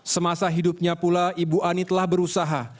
semasa hidupnya pula ibu ani telah berusaha